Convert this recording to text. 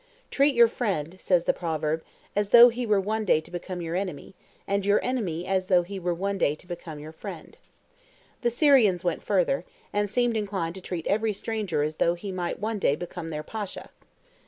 Treat your friend, says the proverb, as though he were one day to become your enemy, and your enemy as though he were one day to become your friend. The Syrians went further, and seemed inclined to treat every stranger as though he might one day become their Pasha.